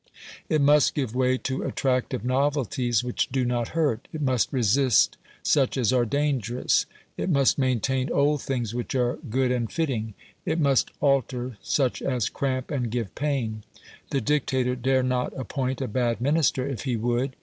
It must give way to attractive novelties which do not hurt; it must resist such as are dangerous; it must maintain old things which are good and fitting; it must alter such as cramp and give pain. The dictator dare not appoint a bad Minister if he would.